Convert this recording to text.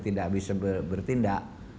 tidak bisa bertindak